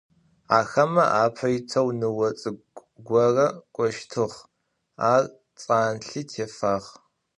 Axeme ape yiteu nıo ts'ık'u gore k'oştığ, ar ts'anlhi têfağ.